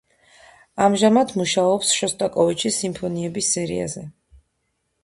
ამჟამად მუშაობს შოსტაკოვიჩის სიმფონიების სერიაზე.